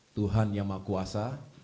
tuhan yang makuasa